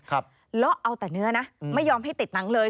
เลาะเอาแต่เนื้อนะไม่ยอมให้ติดหนังเลย